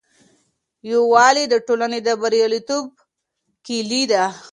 یووالي د ټولني د بریالیتوب کیلي ده.